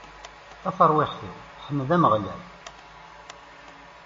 A tarwiḥt-iw, ḥmed Ameɣlal!